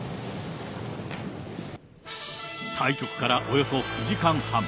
対局からおよそ９時間半。